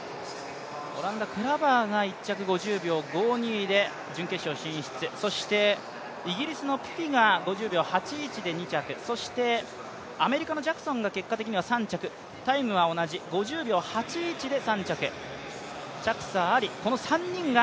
オランダクラバーが１着、５０秒５２で準決勝進出、そしてイギリスのピピが５０秒８１で２着そしてアメリカのジャクソンが結果的には３着、タイムは同じ、５０秒８１です。